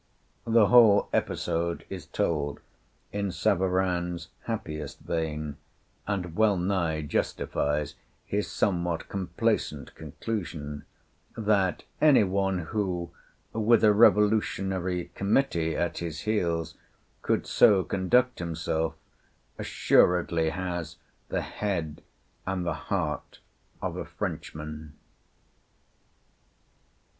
The whole episode is told in Savarin's happiest vein, and well nigh justifies his somewhat complacent conclusion that "any one who, with a revolutionary committee at his heels, could so conduct himself, assuredly has the head and the heart of a Frenchman!"